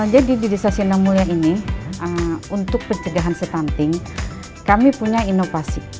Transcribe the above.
jadi di desa sindang mulia ini untuk pencegahan stunting kami punya inovasi